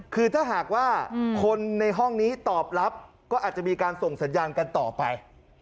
คือถ้าหากว่าคนในห้องนี้ตอบรับก็อาจจะมีการส่งสัญญาณกันต่อไป